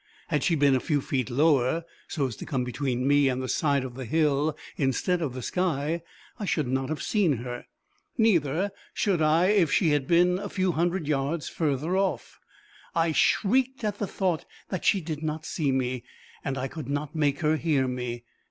Had she been a few feet lower, so as to come between me and the side of the hill instead of the sky, I should not have seen her; neither should I if she had been a few hundred yards further off. I shrieked at the thought that she did not see me, and I could not make her hear me.